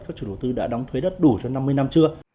các chủ đầu tư đã đóng thuế đất đủ cho năm mươi năm chưa